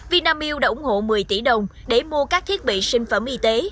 vinamilk đã ủng hộ một mươi tỷ đồng để mua các thiết bị sinh phẩm y tế